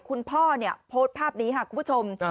คุณพ่อโพสต์ภาพนี้ค่ะคุณผู้ชม